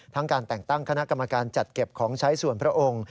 การแต่งตั้งคณะกรรมการจัดเก็บของใช้ส่วนพระองค์